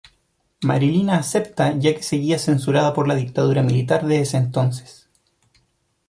Marilina acepta ya que seguía censurada por la dictadura militar de ese entonces.